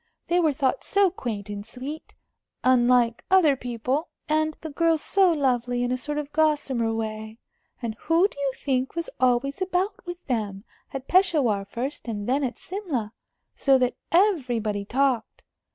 They were thought so quaint and sweet unlike other people and the girl so lovely, in a sort of gossamer way. And who do you think was always about with them at Peshawar first, and then at Simla so that everybody talked?